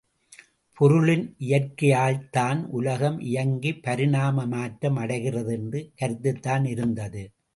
பொருளின் இயற்கையால்தான் உலகம் இயங்கி பரிணாம மாற்றம் அடைகிறது என்ற கருத்துத்தான் இருந்தது.